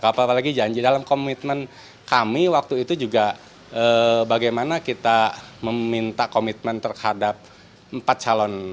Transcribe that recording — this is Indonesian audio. apalagi janji dalam komitmen kami waktu itu juga bagaimana kita meminta komitmen terhadap empat calon